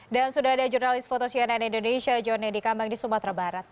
dan sudah ada jurnalis foto cnn indonesia john nedy kambang di sumatera barat